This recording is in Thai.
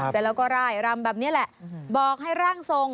เสร็จแล้วก็รายรำแบบนี้แหละ